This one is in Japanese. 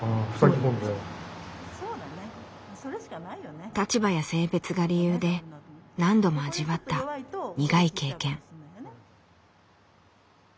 例えば？立場や性別が理由で何度も味わった苦い経験。